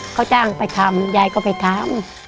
เขาจ้างไปทำยายก็ไปทำ